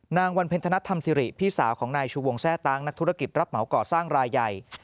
วันเพ็ญธนธรรมสิริพี่สาวของนายชูวงแทร่ตั้งนักธุรกิจรับเหมาก่อสร้างรายใหญ่